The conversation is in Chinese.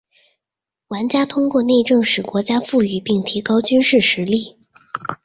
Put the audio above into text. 玩家通过内政使国家富裕并提高军事实力。